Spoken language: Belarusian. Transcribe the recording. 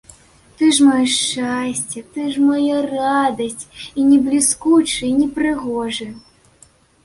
Ты ж маё шчасце, ты ж мая радасць, і не бліскучы, і не прыгожы.